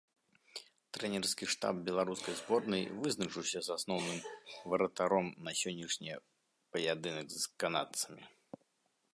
Трэнерскі штаб беларускай зборнай вызначыўся з асноўным варатаром на сённяшні паядынак з канадцамі.